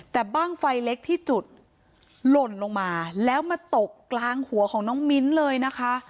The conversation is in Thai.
แต่บ้างไฟเล็กที่จุดหล่นลงมาแล้วมาตกกลางหัวของน้องมิ้นเลยนะคะ